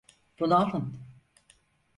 Bunu alın.